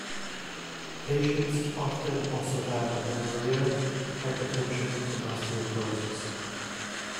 Patients often also have amenorrhoea, hypertension and osteoporosis.